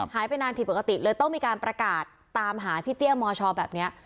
หายไปนานผิดปกติเลยต้องมีการประกาศตามหาพี่เตี้ยมชแบบนี้